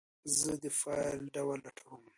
زه د فایل ډول لټوم.